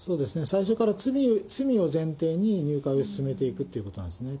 最初から罪を前提に、入会を勧めていくっていうことなんですね。